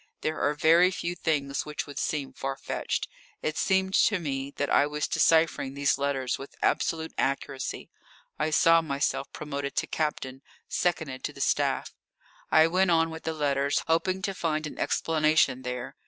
There are very few things which would seem far fetched. It seemed to me that I was deciphering these letters with absolute accuracy. I saw myself promoted to captain, seconded to the staff. I went on with the letters, hoping to find an explanation there.